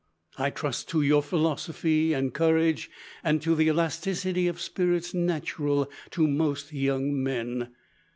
I trust to your philosophy and courage, and to the elasticity of spirits natural to most young men....